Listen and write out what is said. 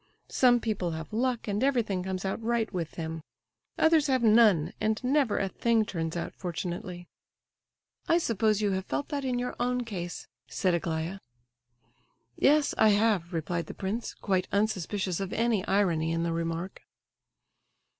Some people have luck, and everything comes out right with them; others have none, and never a thing turns out fortunately." "I suppose you have felt that in your own case," said Aglaya. "Yes, I have," replied the prince, quite unsuspicious of any irony in the remark.